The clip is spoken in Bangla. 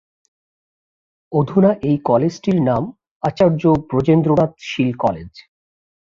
অধুনা এই কলেজটির নাম আচার্য ব্রজেন্দ্রনাথ শীল কলেজ।